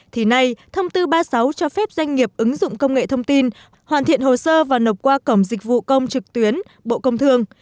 thì nay thông tư ba mươi sáu cho phép doanh nghiệp ứng dụng công nghệ thông tin hoàn thiện hồ sơ và nộp qua cổng dịch vụ công trực tuyến bộ công thương